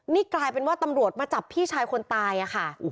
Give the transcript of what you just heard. นี่กลายเป็นว่าตำรวจมาจับพี่ชายคนตายอะค่ะ